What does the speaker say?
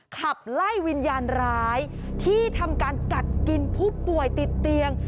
ขับไล่วิญญาณร้ายที่ทำการกัดกินผู้ป่วยติดเตียง